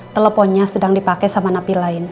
teleponnya sedang dipakai sama napi lain